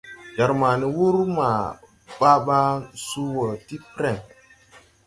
Jar ma ni wur ma baa baa suu wɔ ti preŋ.